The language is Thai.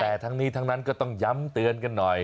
แต่ทั้งนี้ทั้งนั้นก็ต้องย้ำเตือนกันหน่อย